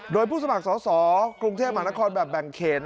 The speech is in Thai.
โดยผู้สมัครสอสอกรุงเทพมหานครแบบแบ่งเขต